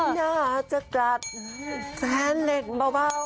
น่าจะกัดแสนเหล็กเบา